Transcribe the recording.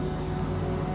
hai kalau benar itu terjadi